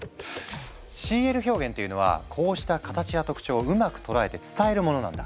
ＣＬ表現っていうのはこうした形や特徴をうまく捉えて伝えるものなんだ。